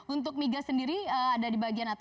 untuk migas sendiri ada di bagian atas